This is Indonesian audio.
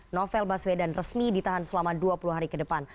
novel baswedan resmi ditahan selama dua puluh hari ke depan